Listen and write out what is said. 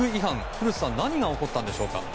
古田さん何が起こったんでしょうか。